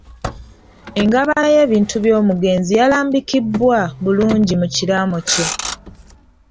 Engabanya y’ebintu by’omugenzi yalambikibwa bulungi mu kiraamo kye.